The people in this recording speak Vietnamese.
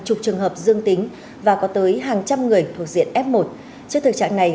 chục trường hợp dương tính và có tới hàng trăm người thuộc diện f một trước thực trạng này